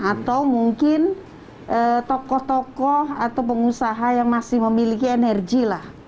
atau mungkin tokoh tokoh atau pengusaha yang masih memiliki energi lah